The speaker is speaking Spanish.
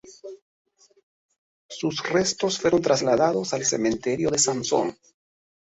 Sus restos fueron trasladados al cementerio de Sonsón.